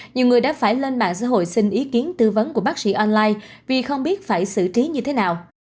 nhiều người đã phải lên mạng xã hội xin ý kiến tư vấn của bác sĩ online vì không biết phải xử trí như thế nào